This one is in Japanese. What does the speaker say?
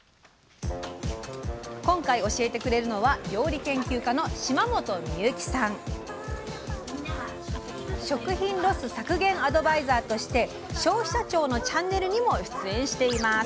今回教えてくれるのは食品ロス削減アドバイザーとして消費者庁のチャンネルにも出演しています。